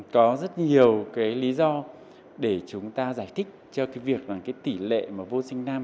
có rất nhiều lý do để chúng ta giải thích cho việc tỷ lệ vô sinh nam